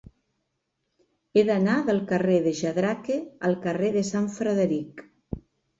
He d'anar del carrer de Jadraque al carrer de Sant Frederic.